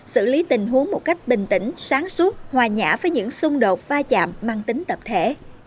xử lý tình huống một cách bình tĩnh sáng suốt hòa nhã với những xung đột pha chạm mang tính tập thể